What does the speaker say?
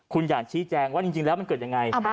คุณอยากชี้แจงว่าจริงแล้วมันเกิดยังไง